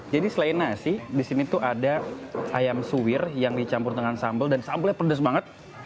jadi selain nasi disini tuh ada ayam suir yang dicampur dengan sambal dan sambalnya pedes banget